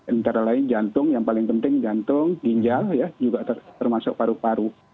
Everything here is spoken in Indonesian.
antara lain jantung yang paling penting jantung ginjal juga termasuk paru paru